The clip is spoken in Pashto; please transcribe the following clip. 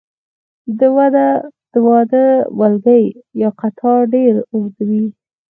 د واده ولکۍ یا قطار ډیر اوږد وي.